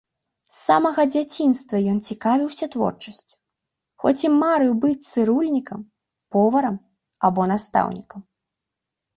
З самага дзяцінства ён цікавіўся творчасцю, хоць і марыў быць цырульнікам, поварам або настаўнікам.